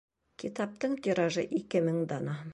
Китаптың тиражы — ике мең дана.